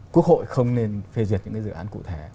quốc hội không nên phê duyệt những cái dự án cụ thể